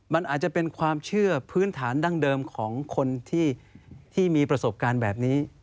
มันอาจจะเป็นความเชื่อพื้นฐานดั้งเดิมของคนที่มีประสบการณ์แบบนี้